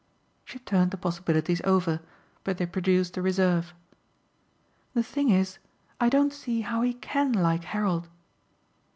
She turned the possibilities over, but they produced a reserve. "The thing is I don't see how he CAN like Harold."